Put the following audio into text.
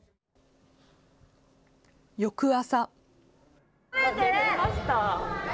翌朝。